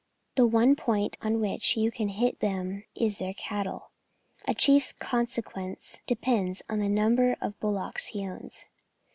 The one point on which you can hit them is their cattle. A chief's consequence depends on the number of bullocks he owns.